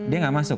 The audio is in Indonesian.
dia nggak masuk